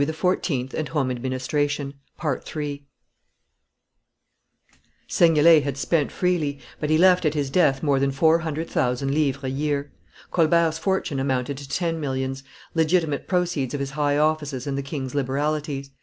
de Seignelay, "it seems as if splendor itself were dead." Seignelay had spent freely, but he left at his death more than four hundred thousand livres a year. Colbert's fortune amounted to ten millions, legitimate proceeds of his high offices and the king's liberalities.